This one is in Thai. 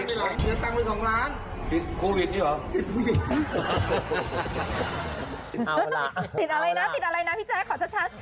ติดอะไรนะติดอะไรนะพี่แจ๊คขอชัด